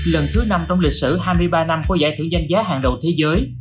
lần thứ năm trong lịch sử hai mươi ba năm có giải thưởng danh giá hàng đầu thế giới